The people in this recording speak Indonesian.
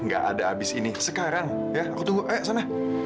gak ada habis ini sekarang ya aku tunggu eh sana